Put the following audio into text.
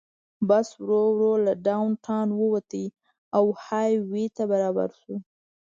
بس ورو ورو له ډاون ټاون ووت او های وې ته برابر شو.